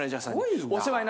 すごいな。